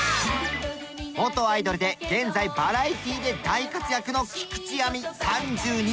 元アイドルで現在バラエティで大活躍の菊地亜美３２歳。